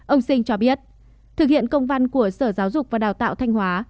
ông sinh cho biết thực hiện công văn của sở giáo dục và đào tạo thanh hóa